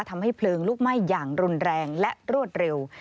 ทำให้เพลิงลุกไหม้อย่างรุนแรงและรวดเร็ว